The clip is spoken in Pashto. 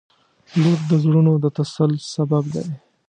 • لور د زړونو د تسل سبب دی.